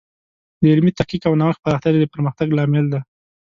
د علمي تحقیق او نوښت پراختیا د پرمختګ لامل دی.